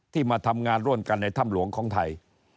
มาทำงานร่วมกันในถ้ำหลวงของไทย